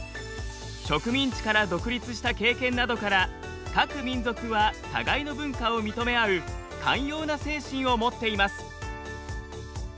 植民地から独立した経験などから各民族は互いの文化を認め合う寛容な精神を持っています。